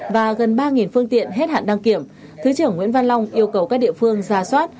và gần ba phương tiện hết hạn đăng kiểm thứ trưởng nguyễn văn long yêu cầu các địa phương ra soát